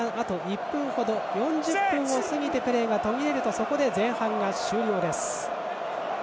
４０分を過ぎてプレーが途切れるとそこで前半が終了です。